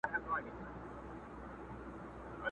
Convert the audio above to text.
چي د چا له کوره وزمه محشر سم٫